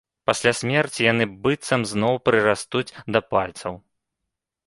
Пасля смерці яны быццам зноў прырастуць да пальцаў.